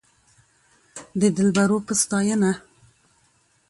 د دلبرو په ستاينه